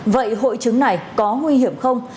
vậy hội chứng này có nguy hiểm không